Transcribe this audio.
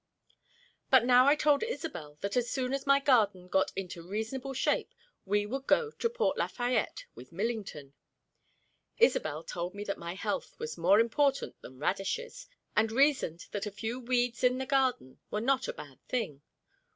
But now I told Isobel that as soon as my garden got into reasonable shape we would go to Port Lafayette with Millington. Isobel told me that my health was more important than radishes, and reasoned that a few weeds in a garden were not a bad thing.